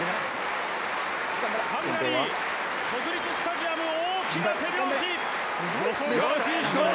ハンガリー国立スタジアム、大きな手拍子。